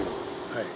はい。